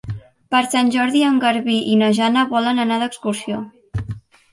Per Sant Jordi en Garbí i na Jana volen anar d'excursió.